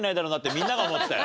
みんなが思ってたよ。